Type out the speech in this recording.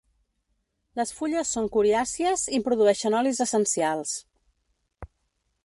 Les fulles són coriàcies i produeixen olis essencials.